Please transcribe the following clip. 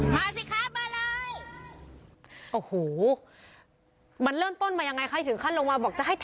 สิครับมาเลยโอ้โหมันเริ่มต้นมายังไงใครถึงขั้นลงมาบอกจะให้